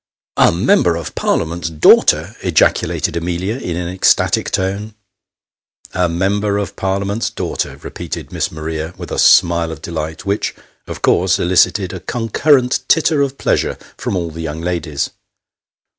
" A Member of Parliament's daughter !" ejaculated Amelia, in an ecstatic tone. " A Member of Parliament's daughter !" repeated Miss Maria, with a smile of delight, which, of course, elicited a concurrent titter of pleasure from all the young ladies.